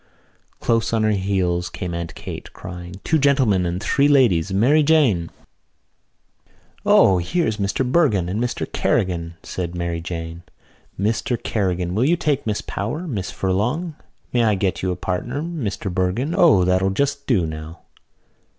Close on her heels came Aunt Kate, crying: "Two gentlemen and three ladies, Mary Jane!" "O, here's Mr Bergin and Mr Kerrigan," said Mary Jane. "Mr Kerrigan, will you take Miss Power? Miss Furlong, may I get you a partner, Mr Bergin. O, that'll just do now."